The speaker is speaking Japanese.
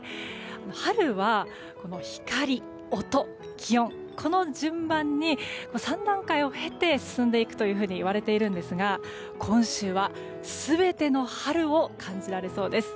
春は光、音、気温この順番に３段階を経て進んでいくといわれているんですが今週は全ての春を感じられそうです。